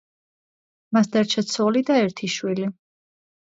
მას დარჩა ცოლი და ერთი შვილი.